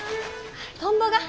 トンボが。